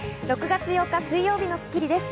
６月８日、水曜日の『スッキリ』です。